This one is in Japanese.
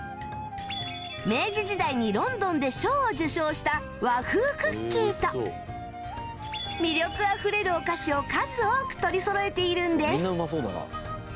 明治時代にロンドンで賞を受賞した和風クッキーと魅力あふれるお菓子を数多く取りそろえているんです